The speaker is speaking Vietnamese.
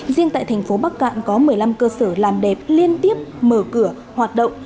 riêng tại thành phố bắc cạn có một mươi năm cơ sở làm đẹp liên tiếp mở cửa hoạt động